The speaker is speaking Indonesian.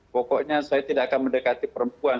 pokoknya saya tidak akan mendekati perempuan